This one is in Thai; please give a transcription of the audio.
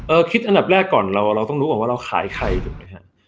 เออคิดอันดับแรกก่อนเราต้องรู้ก่อนว่าเราขายใครจริงนะครับ